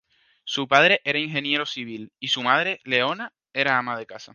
Su padre era ingeniero civil y su madre, Leona, era ama de casa.